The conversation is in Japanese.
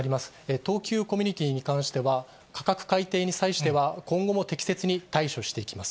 東急コミュニティーに関しては、価格改定に際しては、今後も適切に対処していきます。